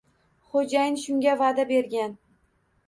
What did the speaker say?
Xo`jayin shunga va`da bergan